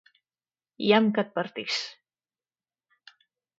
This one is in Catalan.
Llamp que et partís!